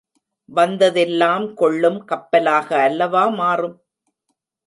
வந்ததெல்லாம் கொள்ளும் கப்பலாக அல்லவா மாறும்!